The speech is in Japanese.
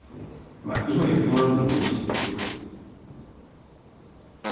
まあ今言ってもらうのもうれしいんですけど。